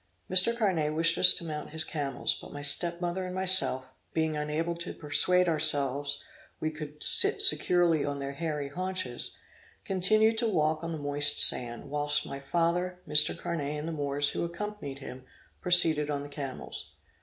Mr. Carnet wished us to mount his camels, but my step mother and myself, being unable to persuade ourselves we could sit securely on their hairy haunches, continued to walk on the moist sand, whilst my father, Mr. Carnet and the Moors who accompanied him, proceeded on the camels.